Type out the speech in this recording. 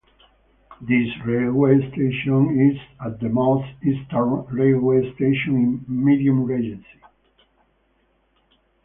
This railway station is at the most eastern railway station in Madiun Regency.